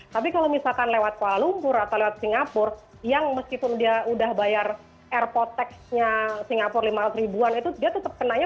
tapi kalau misalkan lewat kuala lumpur atau lewat singapur yang meskipun dia udah bayar airpoteknya singapur lima ratus ribuan itu dia tetep kenanya